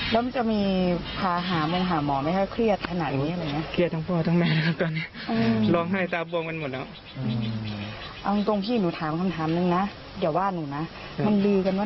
แต่เราไม่รู้ว่าเขาก็ไม่รู้ว่าเขาพูดความจริงหรือไหมนะครับ